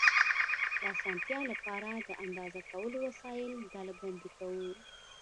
د اسانتیا له پاره، د اندازه کولو وسایل ډلبندي کوو.